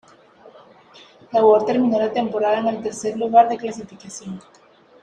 Gábor terminó la temporada en el tercer lugar de la clasificación.